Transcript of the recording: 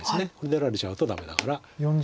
出られちゃうとダメだから。